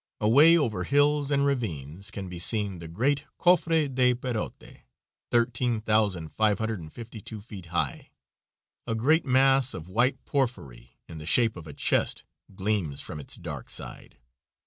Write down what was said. Away over hills and ravines can be seen the great Cofre de Perote, thirteen thousand five hundred and fifty two feet high. A great mass of white porphyry, in the shape of a chest, gleams from its dark side.